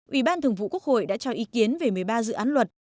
ủy ban thường vụ quốc hội đã cho ý kiến về một mươi ba dự án luật